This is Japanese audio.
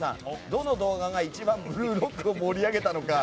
どの動画が一番「ブルーロック」を盛り上げたのか。